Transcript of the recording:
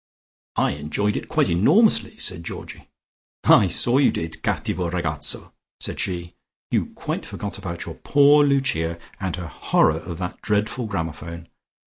"I enjoyed it quite enormously," said Georgie. "I saw you did, cattivo ragazzo," said she. "You quite forgot about your poor Lucia and her horror of that dreadful gramophone.